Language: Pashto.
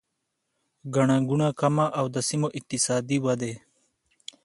ګڼه ګوڼه کمه او د سیمو اقتصادي ودې